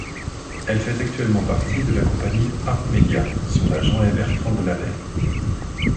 Elle fait actuellement partie de la compagnie Artmedia, son agent est Bertrand de Labbey.